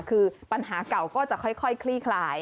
คือปัญหาเก่าก็จะค่อยคลี่คลาย